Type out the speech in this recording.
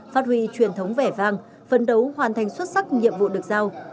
phát huy truyền thống vẻ vang phấn đấu hoàn thành xuất sắc nhiệm vụ được giao